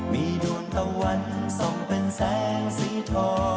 มีดวงตะวันทรงเป็นแสงสีทอ